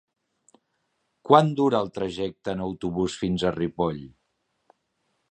Quant dura el trajecte en autobús fins a Ripoll?